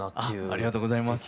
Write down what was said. ありがとうございます。